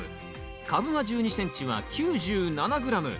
株間１２ｃｍは９７ｇ。